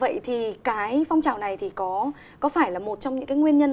vậy thì cái phong trào này thì có phải là một trong những cái nguyên nhân